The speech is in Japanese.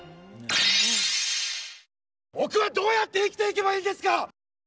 僕はどうやって生きていけばいいんですか！